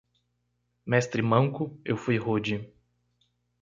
Mestre manco, eu fui rude.